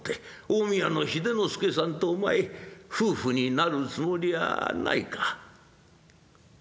近江屋の秀之助さんとお前夫婦になるつもりはないか？」。